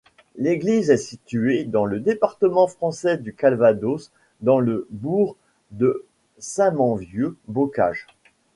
L'église est située dans le département français du Calvados, dans le bourg de Saint-Manvieu-Bocage.